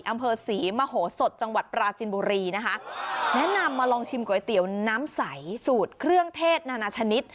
อำเภอศรีมโหสดจังหวัดปราจินบุรีนะคะแนะนำมาลองชิมก๋วยเตี๋ยวน้ำใสสูตรเครื่องเทศนานาชนิด